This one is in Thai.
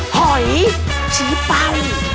หอยฉีเป้า